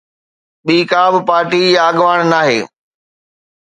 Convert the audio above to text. ٻي ڪا به پارٽي يا اڳواڻ ناهي.